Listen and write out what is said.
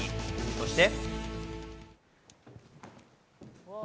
そして。